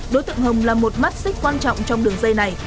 đối tượng hồng là một mắt xích quan trọng trong đường dây này